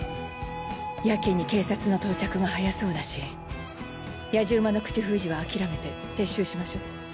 やけに警察の到着が早そうだし野次馬の口封じは諦めて撤収しましょ！